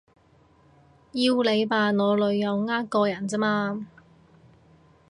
要你扮我女友呃個人咋嘛